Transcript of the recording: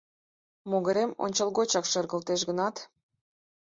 Могырем ончылгочак шергылтеш гынат...